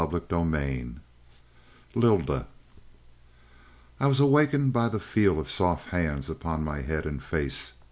CHAPTER IV LYLDA "I was awakened by the feel of soft hands upon my head and face.